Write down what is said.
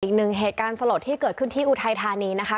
อีกหนึ่งเหตุการณ์สลดที่เกิดขึ้นที่อุทัยธานีนะคะ